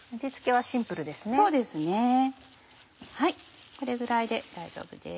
はいこれぐらいで大丈夫です。